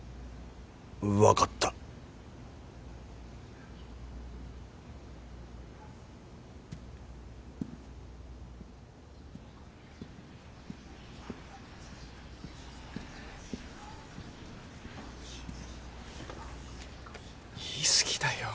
分かった言いすぎだよ